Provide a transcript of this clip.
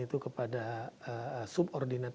itu kepada subordinat